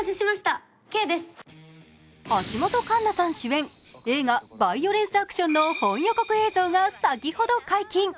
橋本環奈さん主演、映画「バイオレンスアクション」の本予告映像が先ほど解禁。